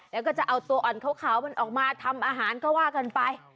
แล้วก็จะเอาตัวอ่อนขาวมันออกมาทำอาหารก็ว่ากันไป